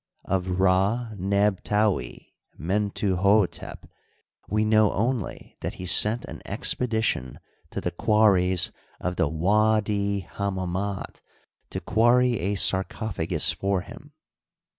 Of Rd neb taui Mentuhdtep we know only that he sent an expedition to the quarries of the W4di Hammamit to quarry a sarcophagus for him.